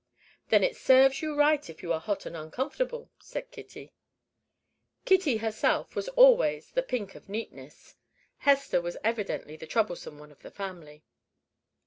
"Then it serves you right if you are hot and uncomfortable," cried Kitty. Kitty herself was always the pink of neatness. Hester was evidently the troublesome one of the family.